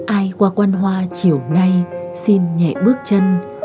ai qua quan hoa chiều nay xin nhẹ bước chân